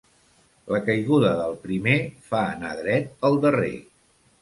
La caiguda del primer fa anar dret el darrer.